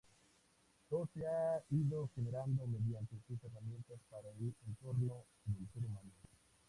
Todo se ha ido generando mediante sus herramientas para el entorno del ser humano.